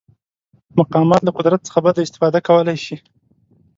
مقامات له قدرت څخه بده استفاده کولی شي.